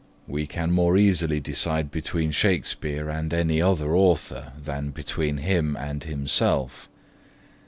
We can more easily decide between Shakespeare and any other author, than between him and himself.